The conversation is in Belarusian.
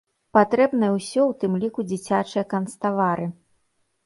Патрэбнае ўсё, у тым ліку дзіцячыя канцтавары.